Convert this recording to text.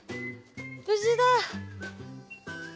無事だ！